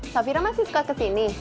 safira masih suka kesini